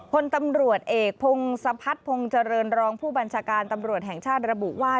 พลตำรวจเอกพงศพัฒนพงษ์เจริญรองผู้บัญชาการตำรวจแห่งชาติระบุว่า